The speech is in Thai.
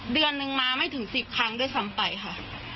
เดือนนึงมาไม่ถึง๑๐ครั้งด้วยซ้ำไปค่ะ